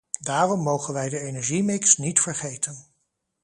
Daarom mogen wij de energiemix niet vergeten.